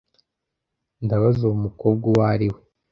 ndabaza uwo mukobwa uwo ari we